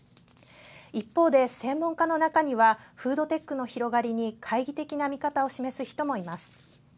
一方で、専門家の中にはフードテックの広がりに懐疑的な見方を示す人もいます。